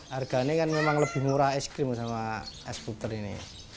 harga ini kan memang lebih murah es krim sama es puter ini